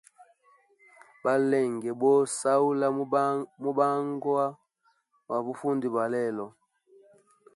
Balenge bo sahula mubanga gwa bufundi bwa lelo.